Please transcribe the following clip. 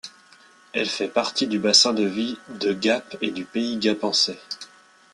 Elle fait partie du bassin de vie de Gap et du Pays Gapençais.